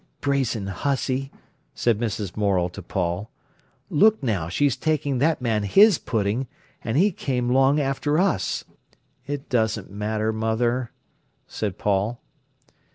"Brazen hussy!" said Mrs. Morel to Paul. "Look now, she's taking that man his pudding, and he came long after us." "It doesn't matter, mother," said Paul.